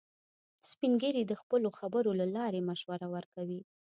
سپین ږیری د خپلو خبرو له لارې مشوره ورکوي